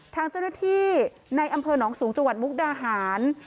ทางเจ้าหน้าที่ในอำเภอหนองสูงจังหวัดมุกดาหาร